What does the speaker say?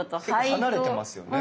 結構離れてますよね。